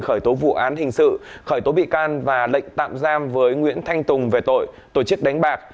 khởi tố vụ án hình sự khởi tố bị can và lệnh tạm giam với nguyễn thanh tùng về tội tổ chức đánh bạc